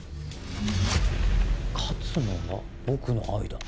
「勝つのは僕の愛だ」。